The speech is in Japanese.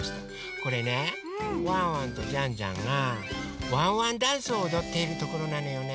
これねワンワンとジャンジャンがワンワンダンスをおどっているところなのよね。